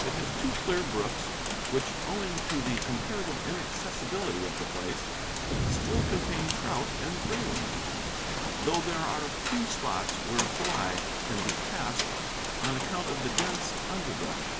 It has two clear brooks which, owing to the comparative inaccessibility of the place, still contain trout and grayling, though there are few spots where a fly can be cast on account of the dense underbrush.